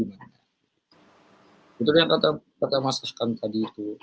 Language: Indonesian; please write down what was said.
itu yang kata mas yuskan tadi itu